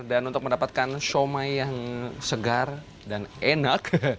dan untuk mendapatkan shumai yang segar dan enak